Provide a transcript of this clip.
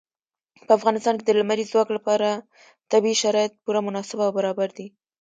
په افغانستان کې د لمریز ځواک لپاره طبیعي شرایط پوره مناسب او برابر دي.